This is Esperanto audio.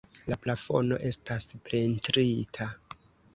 La plafono estas pentrita.